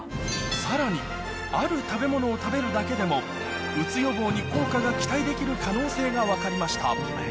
さらにある食べ物を食べるだけでもうつ予防に効果が期待できる可能性が分かりました